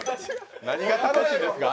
何が楽しいですか？